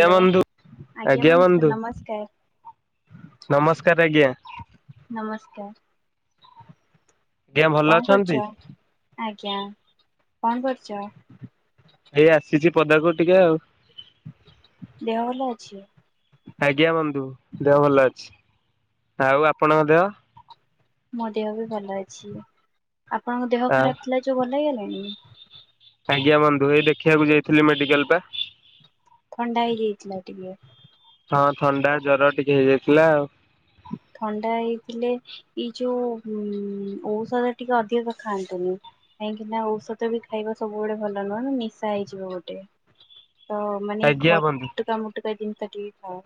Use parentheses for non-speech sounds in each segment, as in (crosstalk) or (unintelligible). ଆଜ୍ଞା ବନ୍ଧୁ ଆଜ୍ଞା ବନ୍ଧୁ ନମସ୍କାର ଆଜ୍ଞା। ନମସ୍କାର। ଆଜ୍ଞା ଭଲ କଣ କରୁଛ? ଅଛନ୍ତି? ଆଜ୍ଞା କଣ କରୁଚ? ହେଇ ଆସିଚି ପଦାକୁ ଟିକେ ଆଉ। ଦେହ ଭଲ ଅଛିି? ଆଜ୍ଞା ବନ୍ଧୁ ଦେହ ଭଲ ଅଛି ଆଉ ଆପଣଙ୍କ ଦେହ? ମୋ ଦେହବି ଭଲ ଅଛି ଆପଣଙ୍କ ଦେହ ଆ ଖରାପ୍ ଥିଲା ଯୋଉ ଭଲ ହେଇଗଲାଣି? ଆଜ୍ଞା ବନ୍ଧୁ ହେଇ ଦେଖିବାକୁ ଯାଇଥିଲି ମେଡିକାଲ୍ ପା। ଥଣ୍ଡା ହେଇଯାଇଥିଲା ଟିକେ। ହଁ ଥଣ୍ଡା ଜର ଟିକେ ହେଇଯାଇଥିଲା ଆଉ। ଥଣ୍ଡା ହେଇଥିଲେ ଏଇ ଯୋଉ ଔଷଧ ଟିକେ ଅଧିକ ଖାଆନ୍ତୁନି। କାହିଁକିନା ଔଷଧବି ଖାଇବା ସବୁବେଳେ ଭଲ ନୁହଁନା ନିଶା ହେଇଯିବ ଗୋଟେ। ତମାନେ ଏଇ ଘ ଆଜ୍ଞା ବନ୍ଧୁ ଖଟକା ମଟକା ଜିନିଷ ଟିକେ ଖାଅ।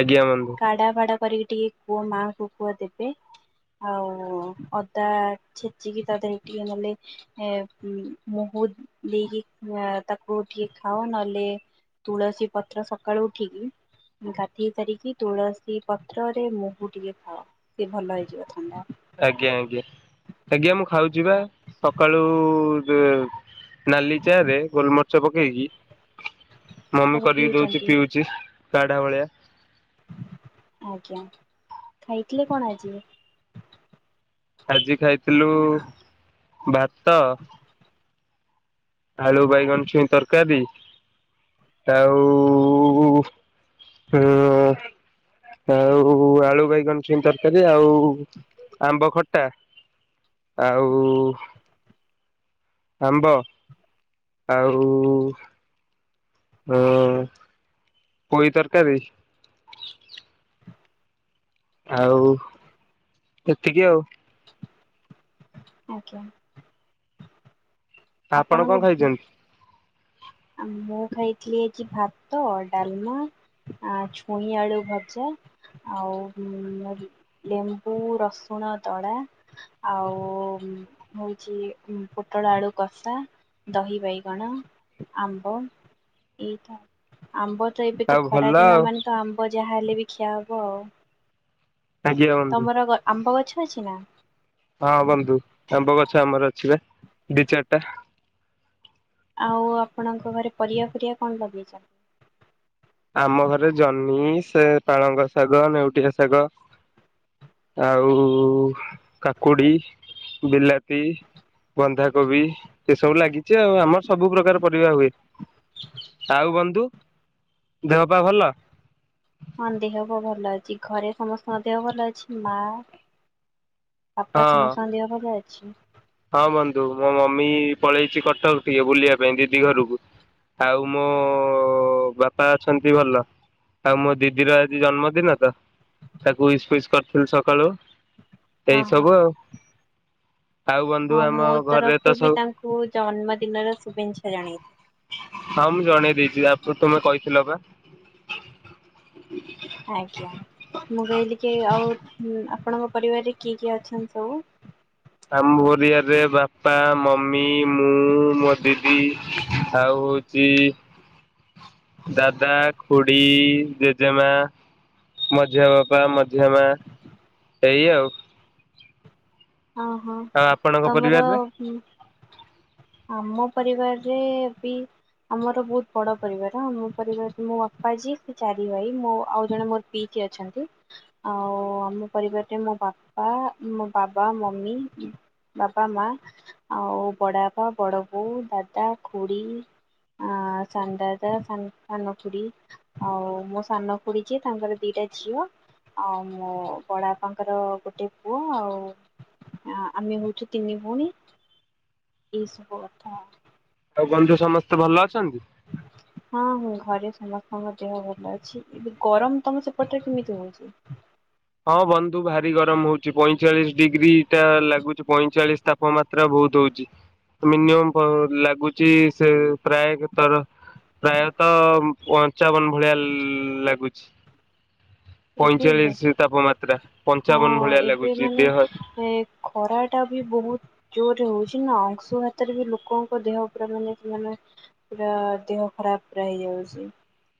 ଆଜ୍ଞା ମାମୁ। କାଢା ଫାଡ଼ା କରିକି ଟିକେ କୁଅ ମାଆଙ୍କୁ କୁଅ ଦେବେ। ଆଉ ଅଦା ଛେଚିକି ତାଦେହରେ ଟିକି ନହେଲେ ଏ ମୁହୁ ଦେଇକି ଆଁ ତାକୁ ଟିକେ ଖାଅ ନହେଲେ ତୁଳସୀ ପତ୍ର ସକାଳୁ ଉଠିକି ଗାଧେଇ ସାରିକି ତୁଳସୀ ପତ୍ରରେ ମୁହୁ ଟିକେ ଖାଅ ସେଭଲ ହେଇଯିବ ଥଣ୍ଡା। ଆଜ୍ଞା ଆଜ୍ଞା ଆଜ୍ଞା ମୁଁ ଖାଉଚିବା ସକାଳୁ ତ ନାଲି ଚାରେ ଗୋଲମର୍ଚ ପକେଇକି ମମି ତାକୁ କରିକି ଦଉଚି ପିଉଛନ୍ତି ପିଉଚି। କାଢ଼ା ଭଳିଆ। ଆଜ୍ଞା ଖାଇଥିଲେ କଣ ଆଜିି? ଆଜି ଖାଇଥିଲୁ ଭାତ ଆଳୁ ବାଇଗଣ ଛୁଇଁ ତରକାରୀ ଆଉ ଉଁ ଆଉ ଆଳୁ ବାଇଗଣ ଛୁଇଁ ତରକାରୀ ଆଉ ଆମ୍ବ ଖଟା ଆଉ ଆମ୍ବ ଆଉ ଅଁ ପୋଇଁ ତରକାରୀ ଆଉ ଏତିକି ଆଉ। ଆଜ୍ଞା। ଆପଣ କଣ ଖାଇଚନ୍ତି। ଆ ମୁଁ ଖାଇଥିଲି ଆଜି ଭାତ ଡ଼ାଲମା ଆ ଛୁଇଁ ଆଳୁ ଭଜା ଆଉ ଉଁ ଲେମ୍ବୁ ରସୁଣ ଦଳା ଆଉ ହଉଚି ପୁଟଳ ଆଳୁ କଷା ଦହି ବାଇଗଣ ଆମ୍ବ ଏଇତ ଆମ୍ବତ ଆଉ ଏବେତ ଭଲ ଖରା ଆଉ ଦିନ ମାନେତ ଆମ୍ ବ ଯାହା ହେଲେବି ଖିଆ ହବ ଆଉ। ଆଜ୍ଞା ବନ୍ଧୁ ତମର ଗ ଆମ୍ବ ଗଛ ଅଛିନା? ହଁ ବନ୍ଧୁ ଆମ୍ବ ଗଛ ଆମର ଅଛିବା ଦି ଚାରିଟା। ଆଉ ଆପଣଙ୍କ ଘରେ ପରିବା ଫିରିବା କଣ ଲଗେଇଚ? ଆମ ଘରେ ଜହ୍ନି ସେ ପାଳଙ୍ଗ ଶାଗ ନେଉଟିଆ ଶାଗ। ଆଉ କାକୁଡ଼ି ବିଲାତି ବନ୍ଧାକୋବି ଏସବୁ ଲାଗିଛି ଆଉ ଆମର ସ ସବୁ ପ୍ରକାର ପରିବା ହୁଏ, ଆଉ ବନ୍ଧୁ ଦେହପା ଭଲ? ହଁ ଦେହ ପ ଭଲ ଅଛି ଘରେ ସମସ୍ତଙ୍କ ଦେହ ଭଲ ଅଛି ମା ବାପା ହଁ ସମସ୍ତଙ୍କ ଦେହ ଭଲ ଅଛି? ହଁ ବନ୍ଧୁ ମୋ ମମି ପଳେଇଛି କଟକ ଟିକେ ବୁଲିବା ପାଇଁ ଦିଦି ଘରକୁ। ଆଉ ମୋ ବାପା ଅଛନ୍ତି ଭଲ। ଆଉ ମୋ ଦିଦିର ଆଜି ଜନ୍ମଦିନ ତ ତାକୁ ଉଇସ୍ ଫ୍ଵିସ୍ କରିଥିଲି ସକାଳୁ। ହଁ ଏଇ ହଁ ସବୁ ଆଉ। ଆଉ ବନ୍ଧୁ ହଁ ଆମ ମୋ ଘରେ ତ ତରଫରୁ ବି ସବୁ ତାଙ୍କୁ ଜନ୍ମଦିନର ଶୁଭେଞ୍ଛା ଜଣେଇ। ହଁ ମୁଁ ଜଣେଇ ଦେଇଛି ଆପ ତମେ କହିଥିଲ ପା। ଆଜ୍ଞା ମୁଁ କହିଲି କି ଆଉ ଆପଣଙ୍କ ପରିବାରରେ କିଏ କିଏ ଅଛନ୍ତି ସବୁ? ଆମ ପରିବାରେ ବାପା ମମି ମୁଁ ମୋ ଦିଦି ଆଉ ଜି ଦାଦା ଖୁଡ଼ି ଜେଜେମା। ମଝିଆଁ ବାପା ମଝିଆଁ ମା ଏଇ ଆଉ। ଅହ ଆଉ ଆପଣଙ୍କ ତମର ପରିବାରରେ ଆମ ପରିବାରରେ ବି ଆମର ବୋହୁତ ବଡ଼ ପରିବାର ଆମ ପରିବାରରେ ମୋ ବାପା ଜିଏ ସେ ଚାରି ଭାଇ ମୋ ଆଉ ଜଣେ ମୋ ପିଇକି ଅଛନ୍ତି ଆଉ ଆମ ପରିବାରରେ ମୋ ବାପା ମୋ ବା ବା ମମି ବାପା ମା। ଆଉ ବଡ଼ ବାପା ବଡ଼ ବୋଉ ଦାଦା ଖୁଡ଼ି। ଆ ସାନ୍ ଦାଦା ସାନ୍ ସାନଖୁଡ଼ି। ଆଉ ମୋ ସାନ ଖୁଡ଼ି ଯିଏ ତାଙ୍କର ଦିଟା ଝିଅ। ଆଉ ମୋ ବଡ଼ ବାପାଙ୍କର ଗୋଟେ ପୁଅ ଆଉ ଆ ଆମେ ହଉଛୁ ତିନି ଭଉଣୀ ଏଇସବୁ କଥା। ଆଉ ବନ୍ଧୁ ସମସ୍ତେ ଭଲ ଅଛନ୍ତି? ହଁ ହଁ ଘରେ ସମସ୍ତଙ୍କ ଦେହ ଭଲ ଅଛି ଏବେ ଗରମ ତମ ସେପଟରେ କେମିତି ହଉଛି? ହଁ ବନ୍ଧୁ ଭାରି ଗରମ ହଉଛି ପଇଁଚାଳିଶ ଡ଼ିଗ୍ରୀ ଟା ଲାଗୁଛି ପଇଁଚାଳିଶ ତା ପମାତ୍ରା ବୋହୁତୁ ହୋଉଛି ମିନିମମ୍ ପ ଲାଗୁଛି ସେ ପ୍ରାୟ ତର ପ୍ରାୟତଃ ପଞ୍ଚାବନ ଭଳିଆ ଲାଗୁଛି। ଏବେ ବ ପଇଁଚାଳିଶି ତାପମାତ୍ରା ହଁ ପଞ୍ଚାବନ ଭଳିଆ ଏବେ ଲାଗୁଛି ମାନେ ଦେହ ଏ ଖରାଟା ବି ବୋହୁ ଜୋରେ ହୋଉଛି ନା ଅଂଶୁହାତରେ ବି ଲୋକଙ୍କ ଦେହ ପୁରା ମାନେ ମାନେ ପୁରା ଦେହ ଖରାପ ପୁରା ହେଇଯାଉଛି।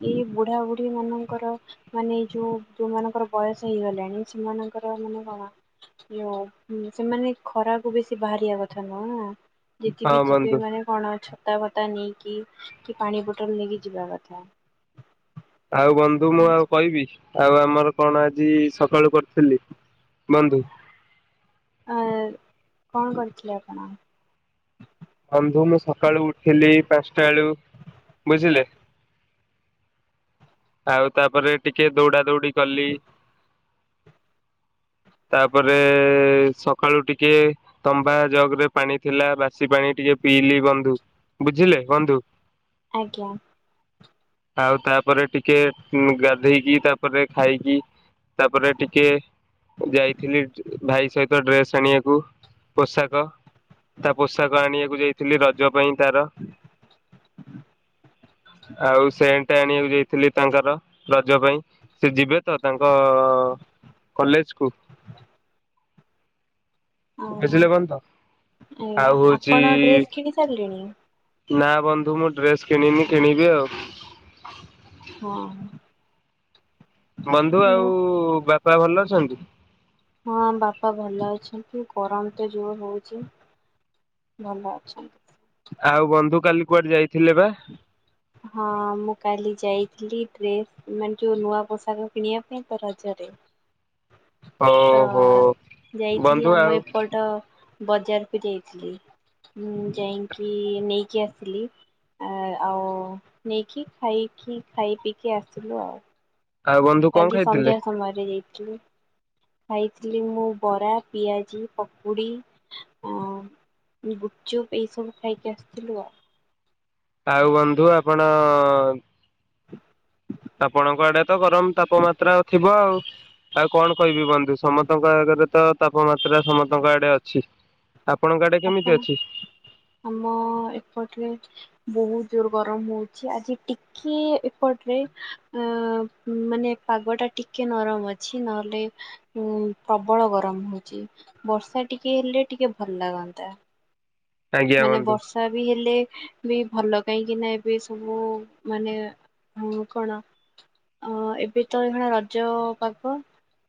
ଏଇ ବୁଢ଼ାବୁଢ଼ୀ ମାନଙ୍କର ମାନେ ଏ ଯୋଉ ଯୋଉମାନଙ୍କର ବୟସ ହେଇଗଲାଣି ସେମାନଙ୍କର ମାନେ କଣ ୟୋ ସେମାନେ ଖରାକୁ ବେଶି ବାହାରିବା କଥା ନୁହଁ ଅଁ। ଯେଜିବିି ହଁ ଯିବେ ବନ୍ଧୁ ମାନେ କଣ ଛତା ବତା ନେଇକି କି ପାଣି ବୋଟଲ ନେଇକି ଯିବା କଥା। ଆଉ ବନ୍ଧୁ ମୁଁ ଆଉ ଆ କହିବି? ଆଉ ଆମର କଣ ଆଜି ସକାଳୁ କରିଥିଲି ବନ୍ଧୁ? ଆ କଣ କରିଥିଲେ ଆପଣ? ବନ୍ଧୁ ମୁଁ ସକାଳୁ ଉଠିଲି ପାଞ୍ଚଟା ଏଳୁ ବୁଝିଲେ? ଆଉ ତାପରେ ଟିକେ ଦୌଡ଼ା ଦୌଡ଼ି କଲି। ତାପରେ ସକାଳୁ ଟିକେ ତମ୍ବା ଜଗ୍ ରେ ପାଣି ଥିଲା ବାସି ପାଣି ଟିକେ ପିଇଲିି ବନ୍ଧୁ ବୁଝିଲେ ବନ୍ଧୁ। ଆଜ୍ଞା। ଆଉ ତାପରେ ଟିକେ ଗାଧେଇକି ତାପରେ ଖାଇକି ତାପରେ ଟିକିଏ ଯାଇଥିଲି ଭାଇ ସହିତ ଡ୍ରେସ୍ ଆଣିବାକୁ ପୋଷାକ। ତା ପୋଷାକ ଆଣିବାକୁ ଯାଇଥିଲି ରଜ ପାଇଁ ତାର। ଆଉ ସେନ୍ ଟେ ଆଣିବାକୁ ଯାଇ ଥିଲି ତାଙ୍କର ରଜ ପାଇଁ ସେ ଯିବେ ତ ତାଙ୍କ କଲେଜକୁ। ଆ ବୁଝିଲେ ବହନ ତ ଆଉ ହୋଉଚି ଆପଣ ଡ୍ରେସ୍ କିଣି ସାରିଲେଣି? ନା ବନ୍ଧୁ ମୁଁ ଡ୍ରେସ କିଣିନି କିଣିବି ଆଉ। ହଁ। ବନ୍ଧୁ ମୁଁ ଆଉ ବାପା ଭଲ ଅଛନ୍ତି? ହଁ ବାପା ଭଲ ଅଛନ୍ତି। ଗରମ ତ ଜୋଉ ହୋଉଛି। ଭଲ ଅଛନ୍ ଆଉ ବନ୍ଧୁ କାଲି କୁଆଡେ ଯାଇଥିଲେ ବା? ହଁ ମୁଁ କାଲି ଯାଇଥିଲି ଡ୍ରେସ୍ ମାନେ ଯୋଉ ନୂଆ ପୋଷାକ କିଣିବା ପାଇଁ ତ ରଜରେ। ତ ଓହୋ ଯାଇଥିଲି ବନ୍ଧୁ ଆମ ଆଉ ଏପଟ ବଜାରକୁ ଯାଇଥିଲି। ହଁ ଯାଇକି ନେଇକି ଆସିଲି। ଆଉ ନେଇକି ଖାଇକି ଖାଇ ପିଇକି ଆସିଲୁ ଆଉ। ଆଉ ବନ୍ଧୁ କଣ କାଲି ଖାଇଥିଲେ? ସନ୍ଧ୍ୟା ସମୟରେ ଯାଇଥିଲି। ଖାଇଥିଲି ମୁଁ ବରା ପିଆଜି ପକୁଡ଼ି ଆ ଗୁପ୍ ଚୁପ୍ ଏଇ ସବୁ ଖାଇକି ଆସିଥିଲୁ ଆଉ। ଆଉ ବନ୍ଧୁ ଆପଣ (inaudible) ଆପଣଙ୍କ ଆଡେ ତ ଗରମ ତାପମାତ୍ରା ଥିବ ଆଉ। ଆଉ କଣ କହିବି ବନ୍ଧୁ ସମସ୍ତଙ୍କ ଆଗରେ ତ ତାପମାତ୍ରା ସମସ୍ତଙ୍କ ଆଡେ ଅଛି। ଆପଣଙ୍କ ଆଡେ କେମିତି ଆପଣ ଅଛି। ଆମ ଏପଟରେ ବହୁତ ଦୁର୍ ଗରମ ହଉଛି। ଆଜି ଟି କି ଏପଟରେ ଅ ମାନେ ପାଗ ଟା ଟିକେ ନରମ ଅଛି। ନହେଲେ ଉଁ ପ୍ରବଳ ଗରମ ହଉଚି। ବର୍ଷା ଟିକେ ହେଲେ ଟିକେ ଭଲ ଲାଗନ୍ତା। ଆଜ୍ଞା ମାନେ ବନ୍ଧୁ ବର୍ଷା ବି ହେଲେ ବି ଭଲ କାହିଁକିନା ଏବେ ସବୁ ମାନେ ଆଉ କଣ ଅ ଏବେ ତ ଏଇଭଳିଆ ରଜ ପାଗ।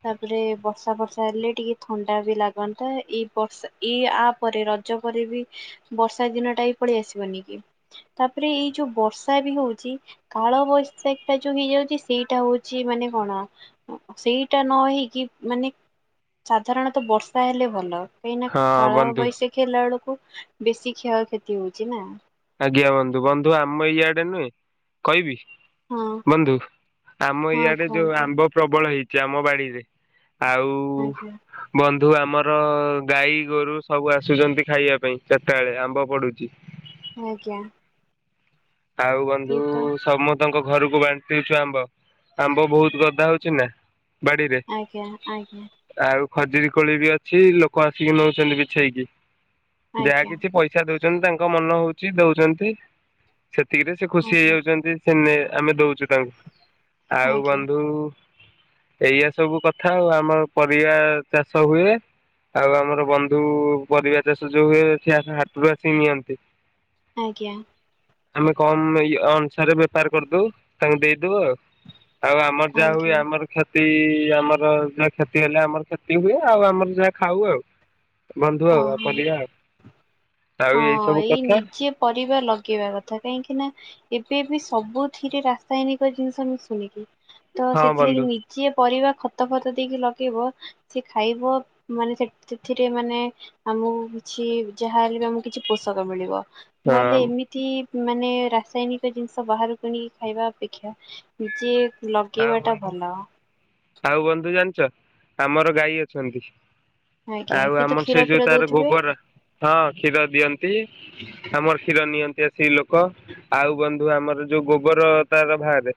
ତାପରେ ବର୍ଷା ବର୍ଷା ହେଲେ ଟିକେ ଥଣ୍ଡା ବି ଲାଗନ୍ତା ଏଇ ବର୍ଷା। ଏଇ ଆ ପରେ ରଜ ପରେ ବି ବର୍ଷା ଦିନ ଟା ହି ପଳେଇ ଆସିବନି କି। ତାପରେ ଏଇ ଯୋଉ ବର୍ଷା ବି ହୋଉଚି। କାଳ ବୈଶାଖୀ ଟା ଯୋଉ ହେଇଯାଉଛି ସେଇଟା ହୋଉଚି ମାନେ କଣ ସେଇଟା ନ ହେଇକି ମାନେ ସାଧାରଣତଃ ବର୍ଷା ହେଲେ ଭଲ। କାହିଁକି ନା ହଁ କାଳ ବନ୍ଧୁ ବୈଶାଖୀ ହେଲା ବେଳକୁ ବେଶୀ କ୍ଷୟକ୍ଷତି ହୋଉଚି ନା। ଆଜ୍ଞା ବନ୍ଧୁ ବନ୍ଧୁ ଆମ ଇଆଡ଼େ ନୁହେଁ କହିବି? ହଁ ବନ୍ଧୁ ଆମ ହଁ ଇଆଡେ ଯୋଉ କୁହନ୍ତୁ ଆମ୍ବ ପ୍ରବଳ ହେଇଛି ଆମ ବାଡିରେ ଆଉ ଆଜ୍ଞା। ବନ୍ଧୁ ଆମର ଗାଈ ଗୋରୁ ସବୁ ଆସୁଛନ୍ତି ଖାଇବା ପାଇଁ ଚାରିଟା ବେଳେ ଆମ୍ବ ପଡୁଚି। ଆଜ୍ଞା। ଆଉ ବନ୍ଧୁ ସିଏ ତ ସମତଙ୍କ ଘରକୁ ବାଣ୍ଟି ଛୁ ଆମ୍ବ ଆମ୍ବ ବହୁତ ଗଦା ହୋଉଛି ନା। ବାଡ଼ିରେ। ଆଜ୍ଞା ଆଜ୍ଞା ଆଉ ଖଜୁରୀ କୋଳି ବି ଅଛି ଲୋକ ଆସିକି ନେଉଚନ୍ତି ବିଛେଇକି ଯାହା ଆଜ୍ଞା। କିଛି ପଇ ସା ଦଉଚନ୍ତି ତାଙ୍କ ମନ ହଉଚି ଦଉଚନ୍ତି। ସେତିକିରେ ସେ ଖୁସି ଆଜ୍ଞା ହେଇଯାଉଚନ୍ତି ସେନେ ଆମେ ଦଉଚୁ ତାଙ୍କୁ ଆଉ ଆଜ୍ଞା ବନ୍ଧୁ ଏଇଆା ସବୁ କଥା ଆଉ ଆମର ପରିବା ଚାଷ ହୁଏ। ଆଉ ଆମର ବନ୍ଧୁ ପରିବା ଚାଷ ଯୋଉ ହୁଏ ସେ ହାଟରୁ ଆସିକି ନିଅନ୍ତି। ଆଜ୍ଞା। ଆମେ କମ ଅନୁସାରେ ବେପାର କରିଦେଉ ତାଙ୍କୁ ଦେଇଦଉ ଆଉ। ଆଉ ଆମର ଯାହା ହୁଏ ଆଜ୍ଞା ଆମର କ୍ଷତି ଆମର ଯାହା କ୍ଷତି ହେଲେ ଆମର କ୍ଷତି ହୁଏ ଆଉ ଆମର ଯାହା ଖାଉ ଆଉ। ବନ୍ଧୁ ଆଉ ଆଉ ଓହୋ ପରିବା ଆଉ ଏଇ ହଁ ସବୁ କଥା। ନିଜେ ପରିବା ଲଗେଇବା କଥା କାହିଁକି ନା ଏବେ ବି ସବୁଥିରେ ରାସାୟନିକ ଜିନିଷ ମିଶୁନିକି ତ ହଁ ସେଥିଲାଗି ବନ୍ଧୁ ମି ଯିଏ ପରିବା ଖତ ଫତ ଦେଇକି ଲଗେଇବ ସି ଖାଇବ ମାନେ ସେଥିରେ ମାନେ ଆମକୁ କିଛି ଯାହାହେଲେ ବି ଆମକୁ କିଛି ପୋଷକ ମିଳିବ ହଁ ନହେଲେ ଏମିତି ତି ମାନେ ରାସାୟିନିକ ଜିନିଷ ବାହାରୁ କିଣିକି ଖାଇବା ଅପେକ୍ଷା ନିଜେ ଆଉ ଲଗେଇବା ଟା ବନ୍ଧୁ ଭଲ। ଆଉ ବନ୍ଧୁ ଜାଣିଚ ଆମର ଗାଈ ଅଛନ୍ତି। ଆଜ୍ଞା ଆଉ ତ ଆମର ସେ କ୍ଷୀର ଯୋଉ ଫିର ତାର ଦଉଥିବେ ଗୋବର ହଁ କ୍ଷୀର ଦିଅନ୍ତି। ଆମର କ୍ଷୀର ନିଅନ୍ତି ଆସିକି ଲୋକ ଆଉ ବନ୍ଧୁ ଆମର ଯୋଉ ଗୋବର ତାର ବାହାରେ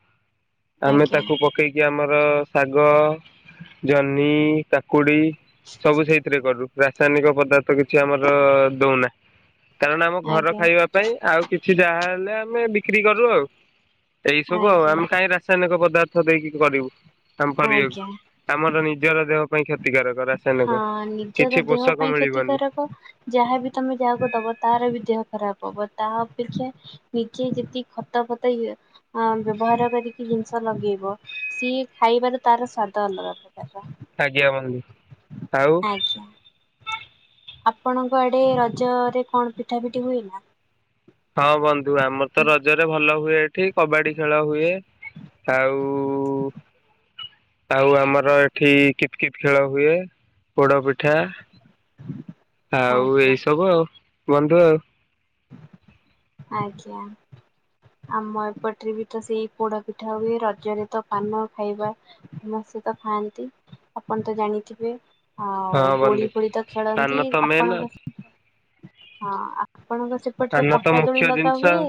ଆମେ ଆଜ୍ଞା ତାକୁ ପକେଇକି ଆମର ଶାଗ ଜହ୍ନି କାକୁଡି ସବୁ ସେଇଥିରେ କରୁ ରାସାୟନିକ ପଦାର୍ଥ କିଛି ଆମର ଦଉନା। କାରଣ ଆମ ଘର ଆଜ୍ଞା ଖାଇବା ପାଇଁ ଆଉ କିଛି ଯାହା ହେଲେ ଆମେ ବିକ୍ରି କରୁ ଆଉ। ଏଇ ସବୁ ଆଉ ଆଜ୍ଞା ଆମେ କାହିଁ ରାସାୟନିକ ପଦାର୍ଥ ଦେଇକି କରିବୁ ଆମେ ଆଜ୍ଞା କରିବାକୁ। ଆମର ନିଜର ଦେହ ପାଇଁ କ୍ଷତିକାରକ ହଁ ରାସାୟିନିକ କିଛି ନିଜର ଦେହ ପୋଷକ ପାଇଁ ମିଳିବନି। କ୍ଷତିକାରକ ଯାହାବି ତମେ ଯାହାକୁ ଦବ ତହାରବି ଦେହ ଖରାପ ହବ ତା ଅପେକ୍ଷା ନିଜେ ଯେତିକି ଖତ ପକେଇକି ବ୍ୟବହାର କରିକି ଜିନିଷ ଲଗେଇବ। ସିଏ ଖାଇବାରେ ତାର ସ୍ଵାଦ ଅଲଗା ପ୍ରକାରର। ଆଜ୍ଞା ବନ୍ଧୁ। ଆଉ ଆଜ୍ଞା। ଆପଣଙ୍କ ଆଡେ ରଜରେ କଣ ପିଠା ପିଠି ହୁଏକି? ହଁ ବନ୍ଧୁ ଆମରତ ରଜରେ ଭଲ ହୁଏଏଠି କବାଡି ଖେଳହୁଏ। ତା ଉ। ଆଉ ଆମର ଏଠି କିତିକିତି ଖେଳ ହୁଏ ପୋଡପିଠା। ଆଉ ଆଜ୍ଞା ଏଇସବୁ ଆଉ ବନ୍ଧୁ ଆଉ। ଆଜ୍ଞା। ଆମ ଏପଟରେବିତ ସେଇ ପୋଡ ପିଠାହୁଏ ରଜରେତ ପାନ ଖାଇବା ସମସ୍ତେତ ଖାଆନ୍ତି ଆପଣତ ଜାଣିଥିବେ? ହଁ ଆଉ ଦୋଳି ବନ୍ଧୁ ଫୋଳିତ ପାନ ଖେଳନ୍ତି ତ ମେନ୍ ଆପଣଙ୍କ? ହଁ ଆପଣଙ୍କ ସେପଟରେ ପାନ ତ ମୁଖ୍ୟ ପଟାଦୋଳି ଜିନିଷ ଲଗାହୁଏ।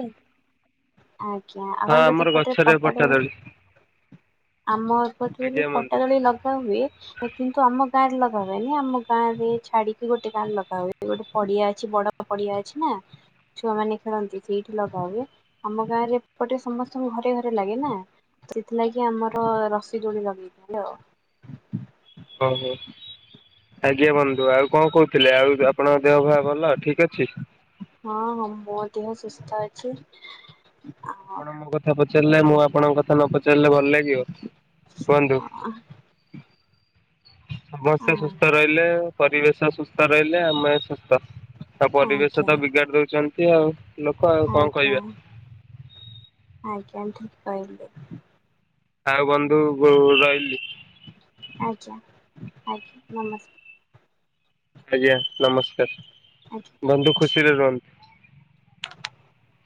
ଆଜ୍ଞା ହଁ ଆପଣଙ୍କ ଆମର ସେପଟରେ ଗଛରେ ପଟା ପଟାଦୋଳି। ଦୋଳି ଆମ ଏପଟରେବି ଆଜ୍ଞା ବନ୍ଧୁ ପଟାଦୋଳି ଲଗାହୁଏ। କିନ୍ତୁ ଆମ ଗାଁରେ ଲଗା ହୁଏନି ଆମ ଗାଁରେ ଛାଡିକି ଗୋଟେ ଗାଁରେ ଲଗାହୁଏ ଗୋଟେ ପଡିଆ। କିଛି ବଡ ପଡିଆ ଅଛିନା? ଛୁଆମାନେ ଖେଳନ୍ତି ସେଇଠି ଲଗାହୁଏ ଆମ ଗାଁରେ ଏପଟେ ସମସ୍ତଙ୍କ ଘରେ ଘରେ ଲାଗେନା। ସେଇଥିଲାଗି ଆମର ରସି ଦୋଳି ଲଗେଇଛି, ହାଲୋ ଓହୋ, ଆଜ୍ଞା ବନ୍ଧୁ, ଆଉ କଣ କହୁଥିଲେ, ଆଉ ଆପଣଙ୍କ ଦେହ ପା ଭଲ, ଠିକ ଅଛି? ହଁ ହଁ, ମୋ ଦେହ ସୁସ୍ଥ ଅଛି। ଆ ଆପଣ ମୋ କଥା ପଚାରିଲେ, ମୁଁ ଆପଣଙ୍କ କଥା ନପଚାରିଲେ ଭଲ ଲାଗିବ, କୁହନ୍ତୁ (unintelligible) ସମସ୍ତେ ସୁସ୍ଥ ରହିଲେ, ପରିବେଶ ସୁସ୍ଥ ରହିଲେ, ଆମେସୁସ୍ଥ ଆଉ ଆଜ୍ଞା ପରିବେଶତ ବିଗାଡି ଦଉଛନ୍ତି ଆଉ, ଲୋକ ଆଉ, କଣ ଆଜ୍ଞା କଇବା? ଆଜ୍ଞା, ଠିକ୍ କହିଲେ। ଆଉ, ବନ୍ଧୁ ଗୋ ରହିଲି। ଆଜ୍ଞା, ଆଜ୍ଞା, ନମସ୍କାର। ଆଜ୍ଞା, ନମସ୍କାର, ଆଜ୍ଞା। ବନ୍ଧୁ ଖୁସିରେ ରୁହନ୍ତୁ। (unintelligible)